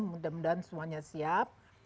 mudah mudahan semuanya siap